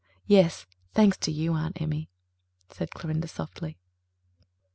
"Yes, thanks to you, Aunt Emmy," said Clorinda softly.